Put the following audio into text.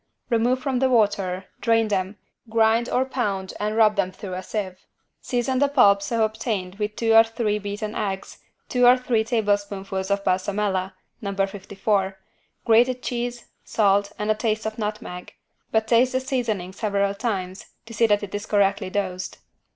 Remove from the water, drain them, grind or pound and rub them through a sieve. Season the pulp so obtained with two or three beaten eggs, two or three tablespoonfuls of =Balsamella= (No. 54) grated cheese, salt and a taste of nutmeg, but taste the seasoning several times to see that it is correctly dosed.